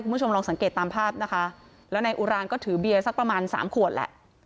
คุณผู้ชมลองสังเกตตามภาพนะคะแล้วนายอุรานก็ถือเบียร์สักประมาณสามขวดแหละ